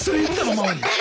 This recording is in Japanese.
ママに。